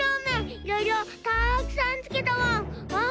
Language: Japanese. いろいろたくさんつけたワン！